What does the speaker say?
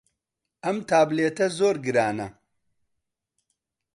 ئەم تابلێتە زۆر گرانە.